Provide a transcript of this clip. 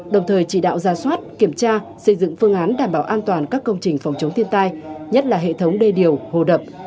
đồng thời chỉ đạo ra soát kiểm tra xây dựng phương án đảm bảo an toàn các công trình phòng chống thiên tai nhất là hệ thống đê điều hồ đập